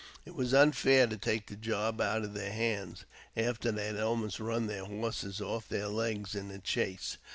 It was unfair to take the job out of their hands, after they had almost run their horses off their legs in the chase.